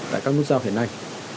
tại các nút giao hiện nay